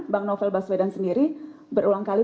bank novel baswedang sendiri berulang kali